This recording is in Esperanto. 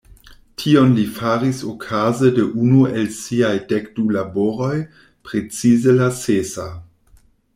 Tion li faris okaze de unu el siaj dek du laboroj, precize la sesa.